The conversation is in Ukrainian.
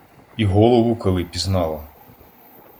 І голову коли пізнала